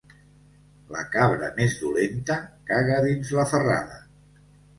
La cabra més dolenta caga dins la ferrada.